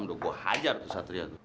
udah gua hajar tuh satria tuh